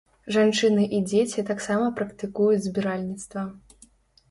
Жанчыны і дзеці таксама практыкуюць збіральніцтва.